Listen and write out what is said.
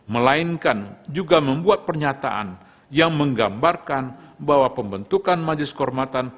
melainkan juga membuat pernyataan yang menggambarkan bahwa pembentukan majelis kehormatan